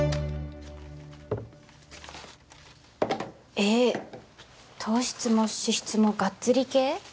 えっ糖質も脂質もがっつり系？